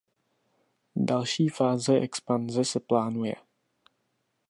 Další fáze expanze se plánuje.